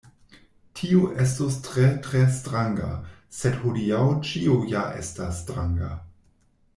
Tio estos tre, tre stranga, sed hodiaŭ ĉio ja estas stranga.”